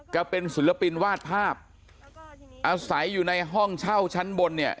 เป็นศิลปินวาดภาพอาศัยอยู่ในห้องเช่าชั้นบนเนี่ย